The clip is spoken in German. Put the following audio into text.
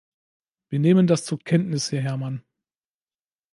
Wir nehmen das zur Kenntnis, Herr Herman.